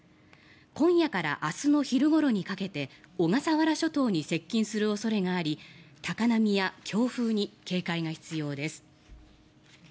今夜から明日の昼ごろにかけて小笠原諸島に接近する恐れがあり高波や強風に警戒が必要です。